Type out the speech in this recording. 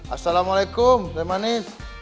assalamualaikum teh manis